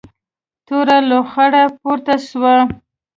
توره لوخړه پورته شوه.